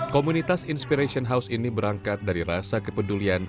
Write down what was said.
komunitas inspiration house ini berangkat dari rasa kepedulian